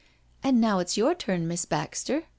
" And now it's your turn, Miss Baxter.